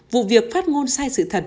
vụ việc phát ngôn sai sự thật